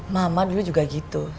mama dulu juga gitu